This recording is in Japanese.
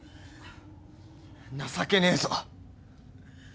情けねえぞ。